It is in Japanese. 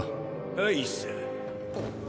はいさ。